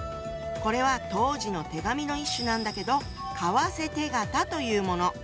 これは当時の手紙の一種なんだけど「為替手形」というもの。